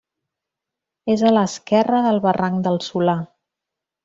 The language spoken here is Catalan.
És a l'esquerra del barranc del Solà.